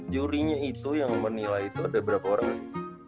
jurinya itu yang menilai itu ada berapa orang